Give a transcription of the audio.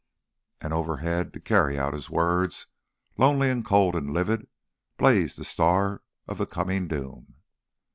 And overhead, to carry out his words, lonely and cold and livid, blazed the star of the coming doom.